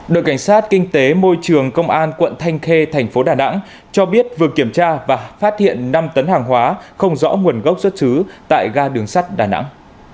đội cảnh sát kinh tế môi trường công an quận thanh khê thành phố đà nẵng cho biết vừa kiểm tra và phát hiện năm tấn hàng hóa không rõ nguồn gốc xuất xứ tại ga đường sắt đà nẵng